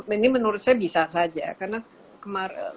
ini menurut saya bisa saja karena